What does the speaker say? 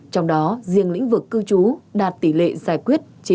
trong đó riêng lĩnh vực cư trú đạt tỷ lệ giải quyết trên chín mươi tám